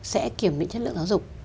sẽ kiểm định chất lượng giáo dục